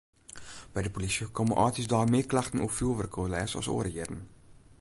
By de polysje komme âldjiersdei mear klachten oer fjoerwurkoerlêst as oare jierren.